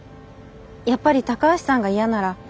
やっぱり高橋さんが嫌なら。